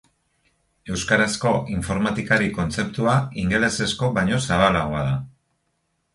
Euskarazko informatikari kontzeptua ingelesezko baino zabalagoa da.